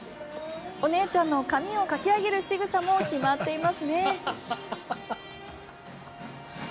お姉ちゃんの髪をかき上げるしぐさも決まっていますね。